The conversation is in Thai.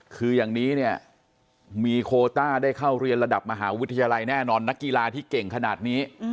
คืออย่างนี้เนี่ยมีโคต้าได้เข้าเรียนระดับมหาวิทยาลัยแน่นอนนักกีฬาที่เก่งขนาดนี้